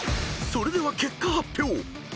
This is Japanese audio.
［それでは結果発表］